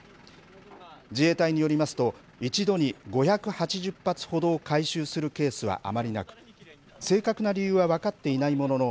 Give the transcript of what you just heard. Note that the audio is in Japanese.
自衛隊によりますと一度に５８０発ほどを回収するケースはあまりなく正確な理由は分かっていないものの